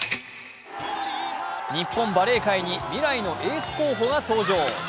日本バレー界に未来のエース候補が登場。